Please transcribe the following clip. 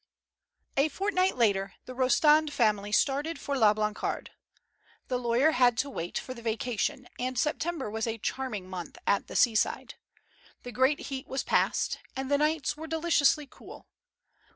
A FORTNIGHT later the Rostand family started for La Blancarde. The lawyer had to wait for the vacation, and September was a charming month at the seaside. The great heat was past, and the nights were deliciously cool.